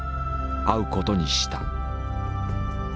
会うことにした。